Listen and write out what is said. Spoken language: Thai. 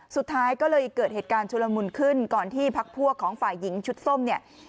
สุดท้ายก็เลยเกิดเหตุการณ์ชุลมุนขึ้นก่อนที่พักพวกของฝ่ายหญิงชุดส้มเนี่ย